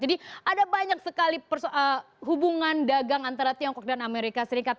jadi ada banyak sekali hubungan dagang antara tiongkok dan amerika serikat